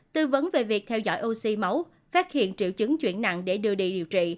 tư vấn về việc theo dõi oxy máu phát hiện triệu chứng chuyển nặng để đưa đi điều trị